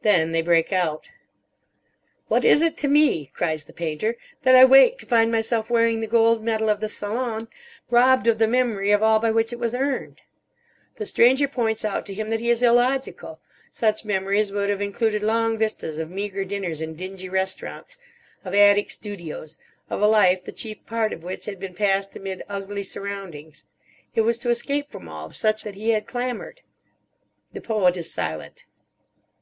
Then they break out. "What is it to me," cries the Painter, "that I wake to find myself wearing the gold medal of the Salon, robbed of the memory of all by which it was earned?" The Stranger points out to him that he is illogical; such memories would have included long vistas of meagre dinners in dingy restaurants, of attic studios, of a life the chief part of which had been passed amid ugly surroundings. It was to escape from all such that he had clamoured. The Poet is silent.